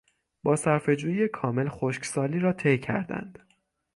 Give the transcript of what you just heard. با صرفهجویی کامل خشکسالی را طی کردند.